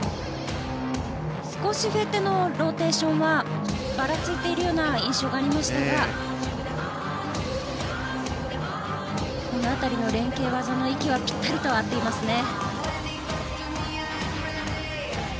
少しフェッテのローテーションはばらついているような印象がありましたがこの辺りの連係技の息はぴったりと合っていますね。